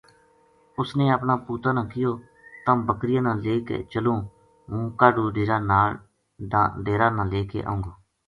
اس نے اپنا پُوتاں نا کہیو تَم بکریاں نا لے چلوں ہوں کاہڈو ڈیرا نا لے کے آؤں گو